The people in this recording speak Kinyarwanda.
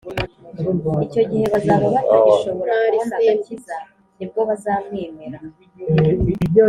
icyo gihe bazaba batagishobora kubona agakiza, ni bwo bazamwemera